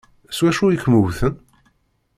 S wacu i kem-wwten?